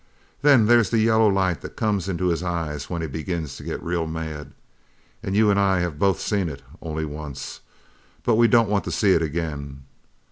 then there's the yellow light that comes in his eyes when he begins to get real mad you an' I have both seen it only once, but we don't want to see it again!